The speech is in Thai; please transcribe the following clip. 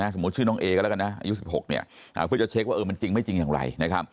ชื่อน้องเอก็แล้วกันนะอายุ๑๖เพื่อจะเช็คว่ามันจริงไม่จริงอย่างไร